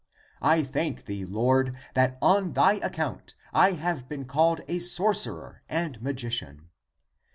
I thank thee, Lord, that on thy account I have been called a sorcerer and magi cian.